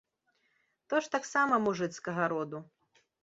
То ж таксама мужыцкага роду.